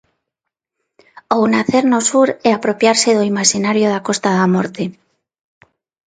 Ou nacer no sur e apropiarse do imaxinario da Costa da Morte.